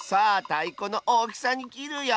たいこのおおきさにきるよ！